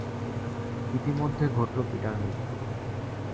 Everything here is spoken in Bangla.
ইতিমধ্যে ঘটল পিতার মৃত্যু।